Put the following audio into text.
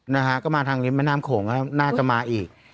นะฮะก็มาทางริมแม่น้ำโขงก็น่าจะมาอีก